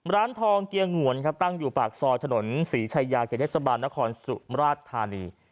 ร้านทองเกียงหวนตั้งอยู่ปากซอถนศรีชายาเกียรติศบาลนครสุมราชธารี